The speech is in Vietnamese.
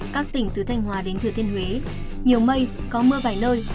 các tỉnh từ thanh hòa đến thừa thiên huế nhiều mây có mưa vài nơi